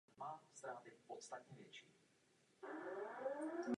Typovým druhem je klokan obrovský.